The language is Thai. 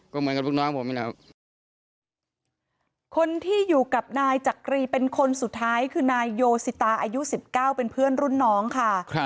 คนที่อยู่กับนายจักรีเป็นคนสุดท้ายคือนายโยสิตาอายุ๑๙เป็นเพื่อนรุ่นน้องค่ะ